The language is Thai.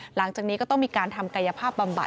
หลังจากนี้ก็ต้องมีการทำกายภาพบำบัด